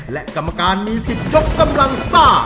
และกรรมการมีสิทธิ์ยกกำลังซ่า